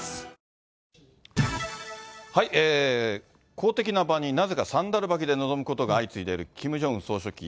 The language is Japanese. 公的な場になぜかサンダル履きで臨むことが相次いでいるキム・ジョンウン総書記。